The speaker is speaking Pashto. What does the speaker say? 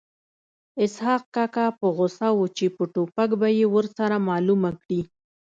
اسحق کاکا په غوسه و چې په ټوپک به یې ورسره معلومه کړي